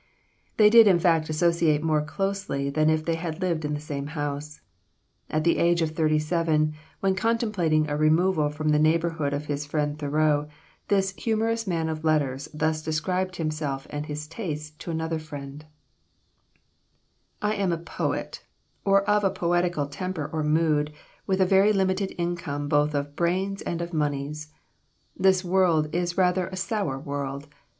They did in fact associate more closely than if they had lived in the same house. At the age of thirty seven, when contemplating a removal from the neighborhood of his friend Thoreau, this humorous man of letters thus described himself and his tastes to another friend: "I am a poet, or of a poetical temper or mood, with a very limited income both of brains and of moneys. This world is rather a sour world.